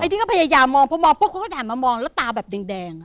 ไอ้ที่เขาพยายามมองเพราะมองพวกเขาก็จะเห็นมามองแล้วตาแบบแดงแดงอ่ะ